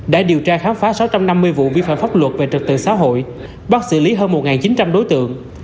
đã điều tra khám phá sáu trăm năm mươi vụ vi phạm pháp luật về trật tự xã hội bắt xử lý hơn một chín trăm linh đối tượng